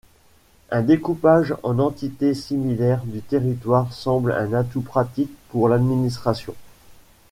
Un découpage en entités similaires du territoire semble un atout pratique pour l'administration.